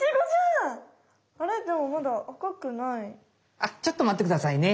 あっちょっとまってくださいね。